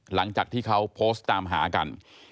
หลังจากที่เขาโพสต์ตามหากัน